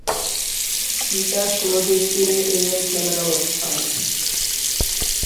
তিতাস নদীর তীরে এই অঞ্চলের অবস্থান।